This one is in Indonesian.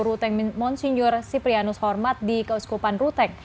ruteng monchineer siprianus hormat di keuskupan ruteng